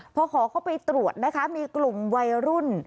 พอขอเข้าไปตรวจนะคะมีกลุ่มวัยรุ่น